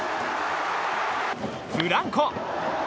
フランコ。